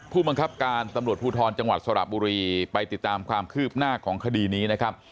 ผู้บังคับการตำรวจภูทรจังหวัดสระบุรีไปติดตามความคืบหน้าของคดีนี้นะครับ